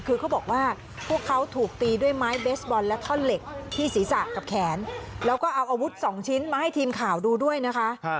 คือเขาบอกว่าพวกเขาถูกตีด้วยไม้เบสบอลและท่อนเหล็กที่ศีรษะกับแขนแล้วก็เอาอาวุธสองชิ้นมาให้ทีมข่าวดูด้วยนะคะ